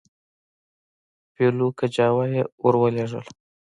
پیلو کجاوه یې ورولېږله.